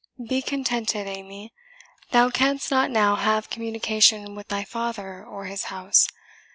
"Be contented, Amy; thou canst not now have communication with thy father or his house.